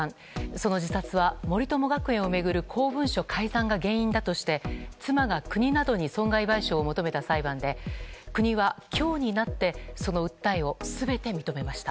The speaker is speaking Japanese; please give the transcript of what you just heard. その自殺は森友学園を巡る公文書改ざんが原因だとして、妻が国などに損害賠償を求めた裁判で国は今日になってその訴えを全て認めました。